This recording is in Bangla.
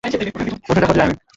ওর সাথে দেখা করতে চাই আমি!